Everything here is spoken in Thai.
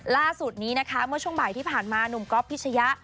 ล่าสุดนี้นะคะเมื่อช่วงบ่ายที่ผ่านมาหนุ่มก๊อฟพิชยะ